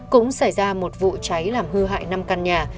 cũng xảy ra một vụ cháy làm hư hại năm căn nhà